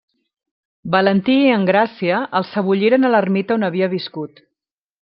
Valentí i Engràcia el sebolliren a l'ermita on havia viscut.